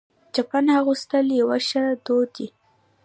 چپن اغوستل یو ښه دود دی.